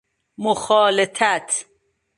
مخالطت